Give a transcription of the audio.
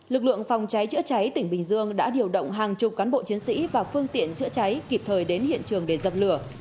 lực lượng phòng cháy chữa cháy tỉnh bình dương đã điều động hàng chục cán bộ chiến sĩ và phương tiện chữa cháy kịp thời đến hiện trường để dập lửa